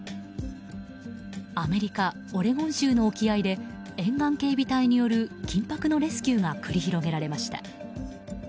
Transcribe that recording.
アメリカ・オレゴン州の沖合で沿岸警備隊による緊迫のレスキューが繰り広げられました。